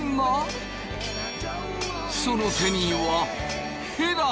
その手にはヘラ！